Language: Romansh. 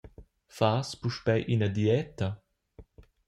Fas puspei ina dieta?